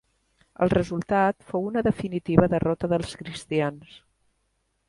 El resultat fou una definitiva derrota dels cristians.